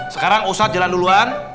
sekarang ustadz jalan duluan